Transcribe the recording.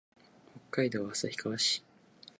北海道旭川市